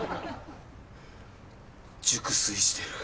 熟睡してる。